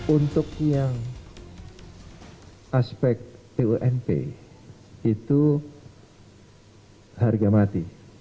untuk yang aspek bump itu harga mati